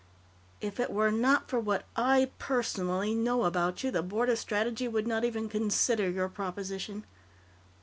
"If it were not for what I, personally, know about you, the Board of Strategy would not even consider your proposition."